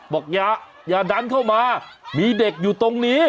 บอกอย่าดันเข้ามามีเด็กอยู่ตรงนี้